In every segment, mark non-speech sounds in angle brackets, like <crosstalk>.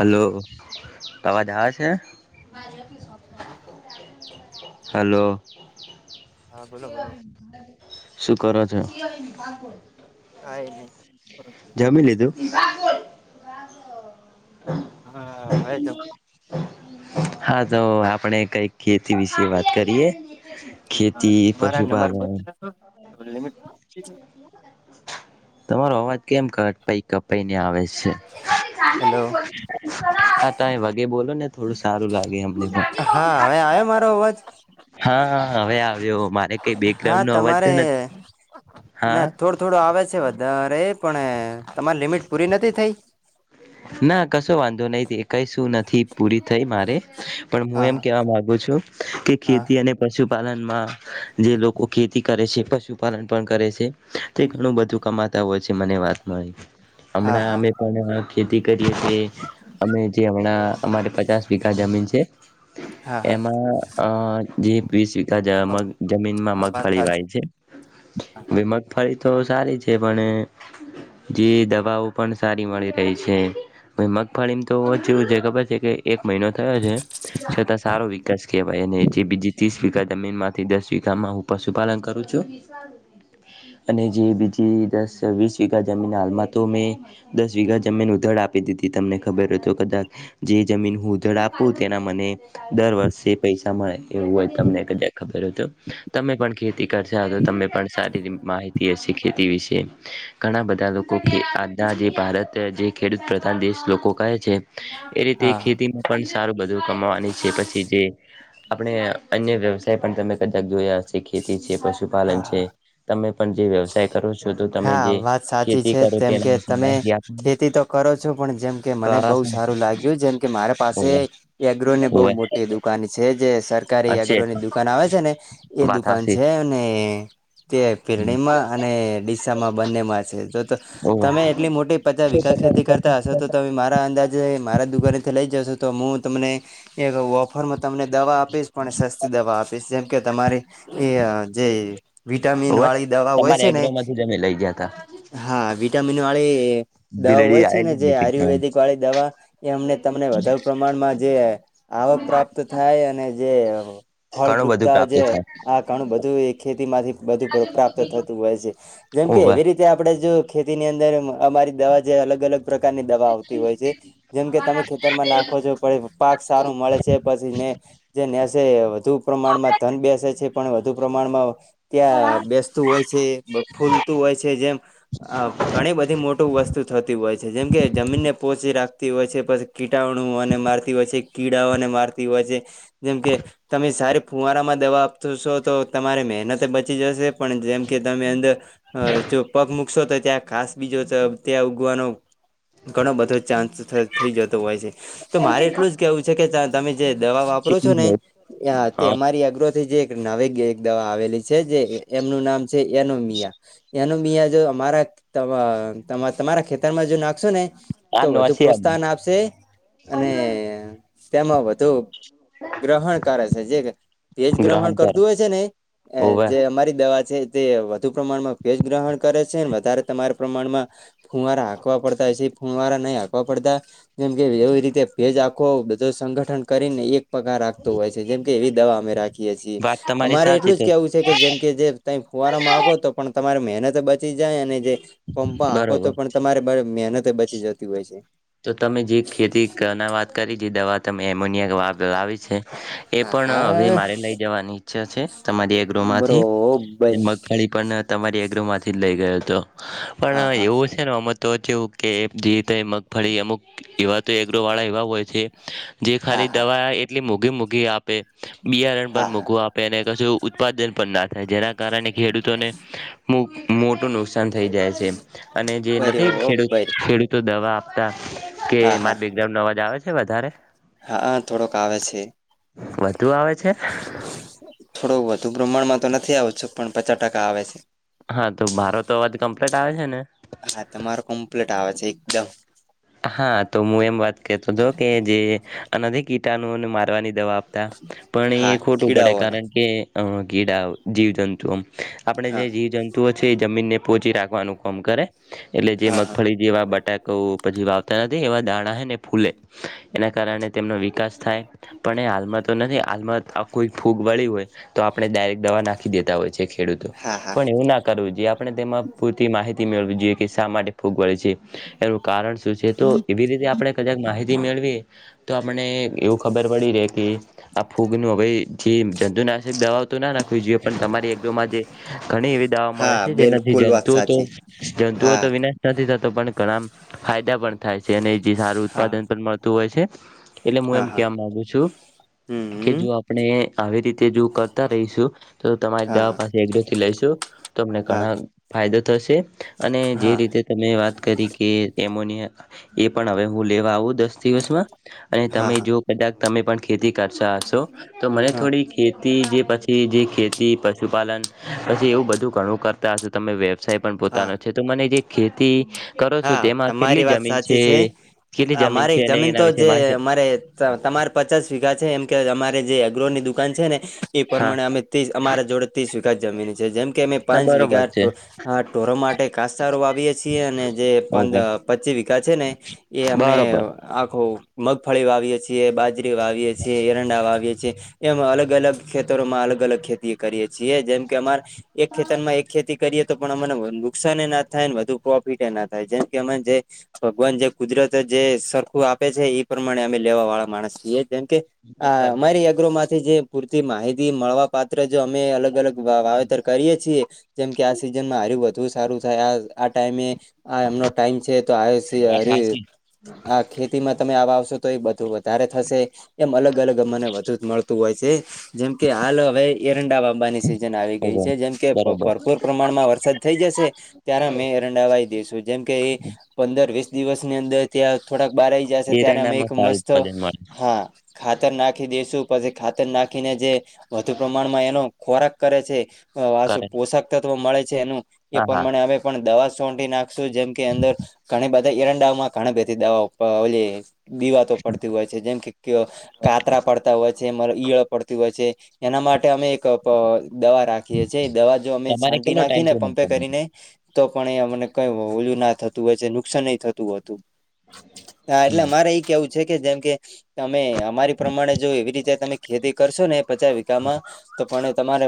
Hello આવાજ છે હમ્મ હલો હા બોલો બોલો શું કરો છો? કઈ નહી. જમી લીધું? હા છેમ હા તો આપણે કઈક ખેતી વિશે વાત કરીએ ખેતી તમારા નંબર પશુપાલન બંધ નતો લિમિટ. તમારો અવાજ કેમ ક પાઈ કપાઈ ને આવે છે. હેલો. હા ત એ વગે બોલો ને થોડું સારું લાગે હા હવે હમ. આવ્યો મારો અવાજ હા હવે આવ્યો મારે કઈ હા બેકગ્રાઉન્ડ નો અવાજ તો તમારે નથી હા થોડું આવે છે વધારે પણ તમારી લિમિટ પૂરી નથી થઈ. ના કશો વાંધો નહ કઈ શું નથી પૂરી થઈ મારે. પણ હું હા એમ કેવા માંગુ છું કે હા ખેતી અને. પશુપાલનમાં જે લોકો ખેતી કરે છે પશુપાલન પણ કરે છે. તે ઘણું બધું કમાતા હોય છે મને વાત. હા હમણાં હા અમે પણ ખેતી કરીએ. અમે જે હમણાં અમારે પચાસ મીઘા જમીન છે હા હા હા એમાં. અ જે વીસ વીકાા મગ હા જમીનમાં વાત મગફળી સાચી વાય છે. વિમત ફરી તો સારી છે પણ. જે દવાઓ પણ સારી મળી રહી છે. છે હ મગફળીમાં તો ઓછું છે ખબર છે કે. એક મહિનો થયો છે છતાં હા સારો વિકાસ કહેવાય અને જે બીજી ત્રીસ. જમીન માંથી દસ વામાં હું પશુપાલન કરું છું. અને જે બીજી દસ વીસ વીઘા જમીન હાલમાં તો મે દસ વઘા. જમીન ઉધડ આપી દીધી તમને ખબર હતો કદાચ જે જમીન હું ઉધડ આપું તેના મને. દર વર્ષે પૈસા મળે. એવું હોય તમને કા ખબર હતું તમે પણ ખેતી કરતા તો તમે પણ સારી માહિત. ખેતી વિશે ઘણા બધા લોકો આના જે ભારત. જે ખેડૂત પ્રધાન દેશ લોકો કહે છે એ રીતે હા હા ખેતી. પણ સારું બધું કમાવાની છે પછી જે. આપણે અન્ય વ્યવસાય પણ તમે કદાચ જોયા હ ખેતી છે પશુ પશુપાલન હા છે તમે પણ જે વ્યવ કરો છો તો તમે હા જે વાત સાચી ખેતી છે કરો જેમ કે તેના વિશે તમે માહિતી આપ. ખેતી તો કરો છો પણ જેમ કે મને બહુ કરાસન સારું લાગ્યું જેમ કે મારે પાસે. ઓવે એગ્રો ને બહુ ઓવે મોટી દુકાન છે જે સરકારી અછે એગ્રો ની દુકાન આવે છે ને. એ વાત દુકાન હાસી છે અને તે પિરણીમા અને. શિસામાં બંનેમાં છે જો તો ઓવે તમે એટલી મોટી પચાસ શું વીખા ખેતી હતા શું કરતા હશો તો તમે મારા અંદાજ મારા દુકાનેથી લઈ જશ તો હું તમને એક ઓફર તમને દવા આપીશ પણ સસ્તી દવા આપીશ જેમ કે તમારી એ જે વિટામિન વાળી દવા હોય છે ને મે લઈ ગયા ત. હા વિટામિન વાલે દવા ભીલડી હોય છે ને જે આવેલી ઘણું આયુર્વેદિક વાળી દવા એ અમને તમને વધારે પ્રમાણમાં જે. આવક પ્રાપ્ત થાય અને જે ફળ બધું દ્રુપતા પ્રાપ્ત જે થાય આ ઘણું બધું એ ખેતી માંથી બધું પ્રાપ્ત થતું હોય છે. જેમકે ઓવે એવી રીતે આપણે જો ખેતીની અંદર અમારી દવા જે અલગ અલગ. પ્રકારની દવા આવતી હોય છે જેમ કે તમે ખેતરમાં નાખો છો. પી પાક સારું મળે છે પછી ને જે નેસે વધુ પ્રમાણમાં ધન બેસે છે પણ વધુ પ્રમાણમાં. ત્યાં બેસતું હોય છે ફૂલતું હોય છે જેમ. આ ઘણી બધી મોટીું વસ્તુ થતી હોય છે જેમ કે જમીનને પોહચી રાખતી હોય છે પછી. કીટાણુઓને મારતી હોય છે કીડાઓને મારતી હોય છે. જેમ કે તમે સારી ફુવારામાં દવા આપ છો તો. તમારે મહેનત બચી જશે પણ જેમ કે તમે અંદર જો પગ મુૂકશો તો ત્યાં ખાસ બીજો ત્યાં ઉગવાનો. ઘણો બધો ચાન્સ થઈ જતો હોય છે તો મારે એટલું જ કેવું છે કે તમે જે દવા વાપરો છો ને તે હા અમારી અગ્રથી જે નાવે એક દવા આવેલી છે જે એમનું નામ છે એનોમિયા એનું બીં જો અમારા તમારા ખેતરમાં જો નાખશો ને આ તો વધુ નોસી અમે પ્રોત્સાહન આપશે અને તેમાં વધુ ગ્રહણ કરે છે જે તેેજ ગ્રહણ કરતું હોય છે ને ઓવે જે અમારી દવા છે તે વધુ પ્રમાણમાં ભેજ ગ્રહણ કરે છે વધારે તમારા પ્રમાણમાં ફૂવારા હાકવા પડતાં હશે ફૂવારા નહીં હાકવા પડતાં જેમ કે એવી રીતે ભેજ આખો બધો સંગઠન કરીને એક પગ રાખતોું હોય છે જેમ કે એવી દવા અમે રાખીએ છીએ વાત તમારી અમારે સાચી એટલું જ તો કેવું છે કે જેમ કે જે ત ફુવારા માગો તો પણ તમારી મહેનત બચી જાય અને જે પંપા આખો બરોબર તો પણ તમારે મહેનત બચી જતી હોય છે તો તમે જે ખેતી ના વાત કરી જે દવા તમે એમોનિયા વાપ આવિ છે એ હા પણ હવે હા મારે લઈ જવાની ઈચ્છા છે તમારી એક રમાંથી બરોબર ખડી પણ તમારી એગ્ર માંથી જ લઈ ગયો હતો પણ હા હા એવું છે ને અમત તો જેવું કે જેી ર મગફળી અમુક એવા તો એગ્ર વાળા એવા હોય છે જે હા ખાલી હા દવા એટલી મોઘી મઘી આપે બિયારણ પર હા મોઘું હા આપે ક ઉત્પાદન પણ ના થાય જેના કારણે ખેડૂતોને મોટું નુકાન નાન થઈ જાય છે અને જે બરી નથી ખડૂ બરી ખેડૂતો દવા આપતા કે હા હા મારે જેમ નવાજ આવે છે વધારે હા થોડોક આવે છે વધુ આવે છે થોડું વધુ બ્ર્ણમાં તો નથી આવતું પણ પચાસ ટાકા આવે છે હા તો મારો તો અવાજ કમ્પ્લીટ આવે છે ને હા તમારો કમ્પ્લીટ આવે છે એકદમ હા તો હું એમ વાત કરતો હતો કે જે અનધિક કીટાણુને મારવાની દવા પણ હા એ ખોટું પડે કીડાઓને કારણ કે કીડા જીવ જંતુઓ આપણે જે હા જીવ જંતુઓ છે એ જમીનને પોહોંચી રાખવાનું કામ કરે એટલે જે હા હા મગફળી જેવા બટાકા પછી વાવતા નથી એવા દાણા હ ને ફૂલે એના કારણે તેમનો વિકાસ થાય પણ એ હાલમાં તો નથી હાલમાં આ કોઈ ફૂગ વળી હોય તો આપણે ડાયરેક્ટ દવા નાખી દેતા હોય છે ખેડૂતો હા હા પણ એવું નાખ જો આપણે તેમાં પૂરતી માહિતી મેળવી જોઈએ કે શા માટે ફૂગ વળે છે એનું કારણ છે તો એવી રીતે આપણે કદાક માહિતી મેળવી તો આપને એવું ખબર પડી રહેે કે આ ફૂગ નું હવે જે જંતુનાશક દવા તો ના ના કોઈ પણ તમારી એકજમાં જે ઘણી એવી દાવા મળે હા છે જેનાથી બિલકુલ વાત જંતુઓ તો સાચી જંતુઓ હા તો વિના નથી થતો પણ ઘણા ફાયદા પણ થાય છે અને જે સારું હા ઉત્પાદન પણ મળતું હોય છે એટલે હું હા એમ હા ક મામાંગુ છું કે હમ જો આપણે આવી રીતે જો કરતા રહીશું તો તમારી હા દવા હા પાસે એકડથી લઈશું તમને હા ઘણા ફાયદા થશે અને જે હા રીતે તમે વાત કરી કે એમોનિયા એ પણ હવે હું લેવા આવું દ દ દિવસમાં અને હા તમે જો કદાક તમે પણ ખેતી કરતા હશો તો મને હા થોડી ખે. જે પછી જે ખેતી પશુપાલન પછી એવું બધું ઘણું કરતા હ. તમે વ્યવસાય પણ હા પોતાનો છે તો મને જે ખેતી. કરો છો હા તેમાં કેટલી તમારી વાત જમીન સાચી છે. કેટલી હ મારી છે અને જમીન એના તો વિશે જે માહિતી મારે તમારે. પચાસ વીઘા છે એમ કે અમારે જે અગ્રોની દુકાન છે ને એ હા પ્રમાણે અમે્રી અમારા જોડે. સ્વીખત જમીની છે જેમ. કે અમે ના પાંચ બરોબર વીઘા છે ટોરો માટે કાસારો વાવીએ છીએ અને. જે ઓકે પચી વિકા છે ને એ અમને. બરોબર આખું મગફળી વાવીએ છીએ બાજરી વાવીએ છીએ એરંડા વાવીએ છીએ. એમ અલગ અલગ ખેતરો માં અલગ અલગ ખેતી કરીે છીએ જેમ કે અમારે. એક ખેતર માં એક ખેતી કરીએ તો પણ અમને નુકસાન એ ના થાય ને વધુ પ્રોફિટ ના થાય. જનકેમજે <inaudible> <unintelligible> ભગવાન જે કુદરત જે સરખું આપે છે એ પ્રમાણે અમે લેવા વાળા માણસ છીએ જેમ કે. હ અમારી યાગ્ર માંથી જે પૂરતી માહિતી મળવા પાત્ર જો અમે અલગ અલગ વાવેતર. કરીએ છીએ જેમ કે આ સિઝનમાં હાર વધુ સારું થાય આ આ ટાઈમે. આ એમનો ટાઈમ છે તો આ છે હરે આ ખેતી. માં તમે આવા આવશો તો એ બધું વધારે થશે એમ અલગ અલગ મમને વધુ જ મળતું હોય છે. જેમકે હાલ હવે એરંડા વાબાની સિઝન આવી ગઈ છે જેમ કે બરોબર ભરપૂર પ્રમાણમાં વરસાદ થઈ જશે. ત્યારે અમે એ રરંડાવાઈ દેશું જેમ કે એ પંદર વીસ દિવસની અંદર ત્યાં. થોડાક બહાર આવી જશે ત્યારે અમે એક એરંડામાં સારું મસ્ત ઉત્પાદન મળે હા ખાતર નાખી દેશું. પછી ખાતર નાખીને જે વધુ પ્રમાણમાં એનો ખોરાક કરે છે કરે પોશાક. મળે છે એનું એ હા હા પ્રમાણે અમે પણ દવા સોી નાખ. જેમ કે અંદર ઘણી બધા ઈરંડામાં ઘણી ભ દવાઓ. દીવાતો પડતી હોય છે જેમ કે કાતરા પડતા હોય. ઈળ પડતી હોય છે એના માટે અમે એક દવા રાખી નાખીએી દવા જો અમે તમારે છાંટી કેટલો નાખી ટાઈમ ને થયો પંપે મગફળીને કરીને તો પણ એ અમને. કઈ ઓલું ના થતું હોય છે નુકસાન નઈ થતું હો હતું હા એટલે હમ મારે એ કેવું. છે કે જેમ કે તમે અમારી પ્રમાણે જો એવી રીતે તમે ખેતી કરશો ને પચાસ વીિકામાં. તો પણ એ તમારે.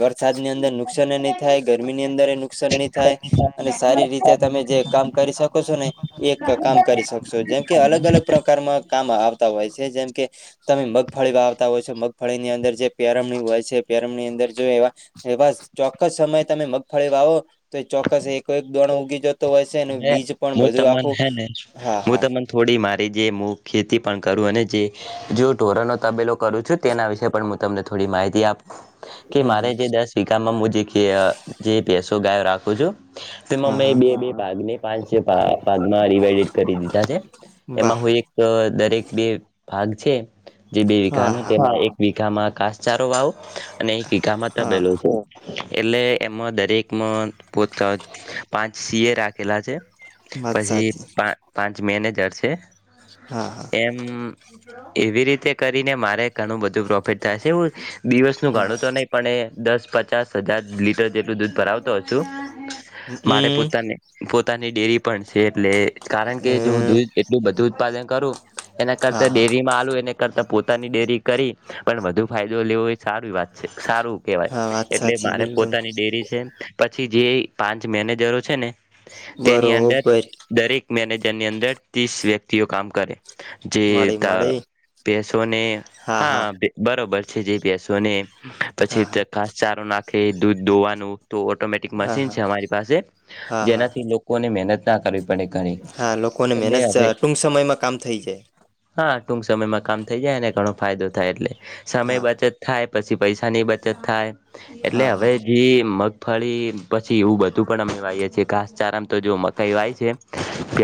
વરસાદ ની અંદર નુકસાન એ નહી થાય ગરમી ની અંદર એ નુકસાન નહી થાય અને. સારી રીતે તમે જે કામ કરી શકો છો ને એક કામ કરી શકશો જેમ કે અલગ અલગ. પ્રકારમાં કામ આવતા હોય છે જેમ કે. તમે મગફળી વા આવતા હોય છો મગફળી ની અંદર જે પેરમની હોય છે પેરમની અંદર. જો ચોક્કસ સમયે તમે મગફળી વાવો તો એ ચોક્કસ. કોઈક દોણ ઉગી જતો હોય છે હવે બીજ પણ હું બધું તમન આખું હે ને હા હું હા. તમન થોડી મારી જે હું ખેતી પણ કરું અને જે. જો ઢોરનોો તબેલો કરું છું તેના વિશેે પણ હું તમને થોડી માહિતી આપ. કે હમ હમ મારે જે દસ વિકામાં જે જેસો ગાયો રાખું છું. તેમાં હા મેં હા બે બે ભાગને પાંચ ભાગમાં રિવાઈડડ કરી દીધા છે. એમાં વાહ હું એક દરેક બે ભાગ છે જે બે હા વિઘનો હા તે. વીઘામાં કાસચારો વાવો અને વીઘા માં હા તબેલો છે. એટલે એમાં દરેકમાં પોતા પાંચ સી એ રાખેલા છે. વાત પછી સાચી પા પાંચ મેનેજર છે. હા હા. એમ એવી રીતે કરીને મારે ઘણું બધુંો. ફતા છે એવું દિવસનું હા ગાડું તો. પણ દસ પચાસ હજાર લીટર જેટલું દૂધ ભરાવતો છું હમ મારે હમ પોતાને. પોતાની ડેરી પણ છે એટલે કારણ કે જો દૂધ એટલું બધું ઉત્પાદન કરું. એના હા કરતા હા ડેરી માં આલુ એને. કરતા પોતાની ડેરી કરી પણ વધુ ફાયદો લેવો એ સારી વાત છે, સારું કેવાય હા વાત એટલે સાચી મારે બિલકુલ પોતાની ડેરી છે પછી જે પાંચ મેનેજરો છે ને તેની અંદર બરોબર દરેક મેનેજરની અંદર ત્રીસ વ્યક્તિઓ કામ કરે. જે મળી ત મળી પસોને હા. બરોબર છે જે બેસો ને હા પછી હા ખાસ ચારો નાખે દૂધ દોવાનું તો ઓટોમેટિક હા મશીન હા છે અમારી પાસે હા હા જેનાથી લોકોને મહેનત ના કરવી પડે ઘણી હા લોકોને એટલે મહેનત હવે ટુંક સમયમાં કામ થઈ જાય હા ટૂંક સમયમાં કામ થઈ જાય અને ઘણો ફાયદો થાય એટલે સમય હા બચત થાય પછી પૈસાની બચત થાય એટલે હા હા હવે જે મગ ફળી પછી એવું બધું પણ અમેવાઈએ છીએ ઘાસચારામ તો જો મકાઈ વાય છે.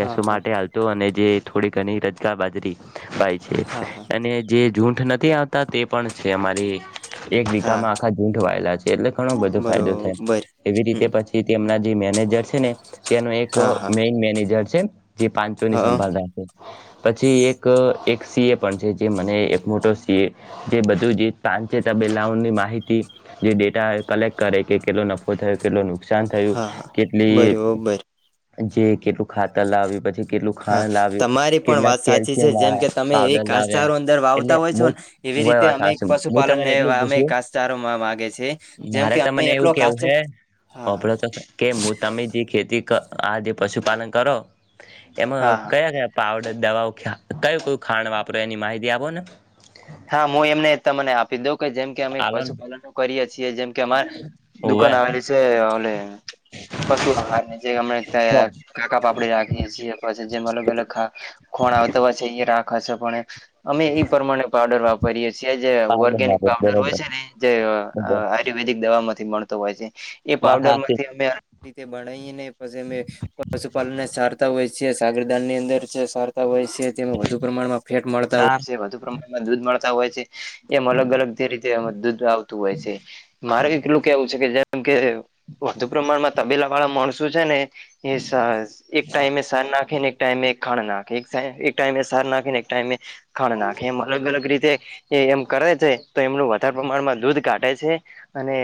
હા હા માટે હાલતો અને જે થોડી ઘણી રજગાર બાજરી ભાઈ છે હા હા અને જે જૂઠ નથી આવતા તે પણ છે અમારી એક હા દીકાામાં આખા ઝૂંઠ વાયેલા છે એટલે ઘણો બધો ફાયદો થાય બરોબર એવી રીતે હમ પછી તેમના જે મેનેજર છે ને તેનો એક હા હા મેન મેનેજર છે. જે પાંચો ની હા સંભાળ રા છે. પછી એક એક સી એ પણ છે જે મને એક મોટો સીએ જે બધું જ પા છેની માહિતી જે ડેટા કલેક્ટ કરે કે કેલો નફ થયો કેટલું નુકસાન થયું હા હા કેટલી બરોબર જે કેટલું ખાતર લાવી પછી કેટલું હા ખાંડ લાવ્યું તમારી પણ કેટલા વાત સાચી છે કેલ્શિયમ જેમ વાળા કે તમે એ પાવડર લાવ્યા ઘાસચારો અંદર એટલે વાવતા હોય બ છો ને એવી હું રીતે અમે વાું હું તને પશુપાલનને એટલું અમે પૂછું ઘાસચારો માગે છે જેમ મારે કે અમે તને એટલો એવું ઘાસ કેવું હે હા હા વાપડ તસ કે હું તમે જે ખેતી આ જે પશુપાલન કરો એમાં હા હા કયા કયા પાવડર દવાઓ કય ક ખાંણ વાપરો એની માહિતી આપો ને હા હું એમને તમને આપી દઉં કે જેમ કે અમે આલોન પશુપાલન કરીએ છીએ જેમ કે અમા હોવે દુકાન આવેલી છે ઓલે પશુ આહાર જે હમ ત્યાં કાકા પાપડી રાખીએ છીએ પછી જે મ પે ખોણ આવતો પછ એ રાખે છે પણ અમે એ પ્રમાણે પાવડર પાવડર ઓર્ગેનિક વાપર પાવડર હોય બરોબર હોવે છે. દવાથી મળતો હોય છે એ વાત પડર હાચી માંથીમે ભને પછી અ પશુપાલન ને સારતા હોય છે સાગર દાન ની અંદર છે સારતા હોય છે. તેમાં વધુ પ્રમાણમાં ફેટ મળતા હોય સાર છે વધુ પ્રમાણ એ દૂધ મળતા હોય છે એમ અલગ અલગ જે રીતે દૂધ આવતું હોય છે. મારે એટલું કેવું છે કે જેમ કે વધુ પ્રમાણમાં તબેલા વાળા માણસો છે ને એ સર એક ટાઈમ શારનાખને એક ટાઈમ ખાણના એક એક ટાઈમે શારનાખને એક ટાઈમ ખાણનાક એમ અલગ અલગ રીતે એ એમ કરે છે તો એમનું વધારે પ્રમાણમાં દૂધ કાઢટે છે. અને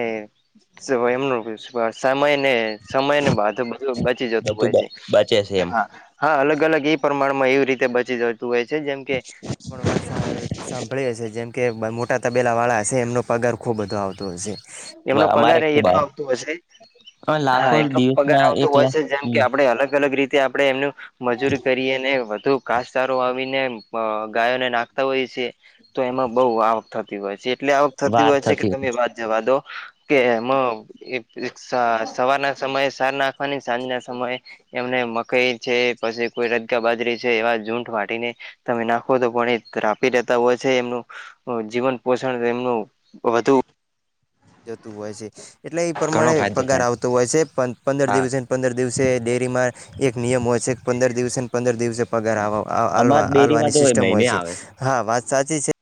એમનું સમય ને સમય ને બાધ બધ બચી જતું બધું હોય બ છે બચે છે એમ હા હા અલગ અલગ એ પ્રમાણમાં એવી રીતે બચી જતું હોય છે જેમ કે પણ વાત સાંભળી હ છે જેમ કે મોટા તબેલા વાળા હશે એમનો પગાર ખૂબ બધો આવતો હશે એમનો અમારે પગાર ખુબ એટલો આવતો હશે આવે હા લાખો એનો પગાર દિવસના એક આવતોું હોય લાખ છે જેમ કે હમ આપડે અલગ અલગ રીતે આપણે એમનું મજૂરી કરીને વધુ કાસચારો આવીને ગાયોને નાખ હોય છે તો એમાં બહુ આવક થતી હોય છે એટલે આવક થતી હોય છે કે તમે એ વાત જવા દો કે સવારના સમયે સાર નાખવાની સાંજ ના સમયે એમને મકાઈ છે પછી કોઈ રજગા બાજરી છે એવા ઝૂઠ વાટીને તમે એના ભણી રાપી રેતા હોય છે એમનું જીવન પોષણ એમનું વધુ જતું હોય છે એટલે એ ઘણો પ્રમાણે ફાયદો પગાર થાય આવતો હોય છે પંદર હા દિવસે પંદર દિવસે ડેરીમાં એક નિયમ હોય છે પંદર દિવસે પંદર દિવસે વગર અમાર આવલવા ડેરીમાં આલવાની તો સિસ્ટમ હોય મહિને છે આવે હા વાત સાચી છે